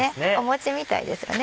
餅みたいですよね。